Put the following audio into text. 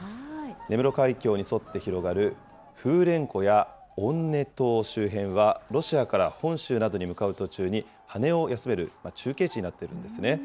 根室海峡に沿って広がる風蓮湖や温根沼周辺は、ロシアから本州などに向かう途中に羽を休める中継地になっているんですね。